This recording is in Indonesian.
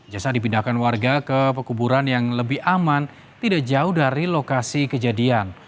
jasa dipindahkan warga ke pekuburan yang lebih aman tidak jauh dari lokasi kejadian